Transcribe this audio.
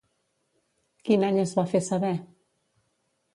Quin any es va fer saber?